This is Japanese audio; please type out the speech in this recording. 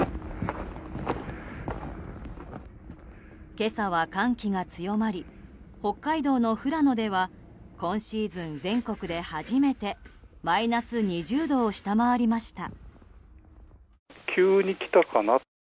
今朝は寒気が強まり北海道の富良野では今シーズン全国で初めてマイナス２０度を下回りました。